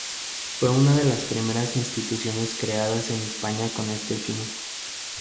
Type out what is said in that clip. Fue una de las primeras instituciones creadas en España con este fin.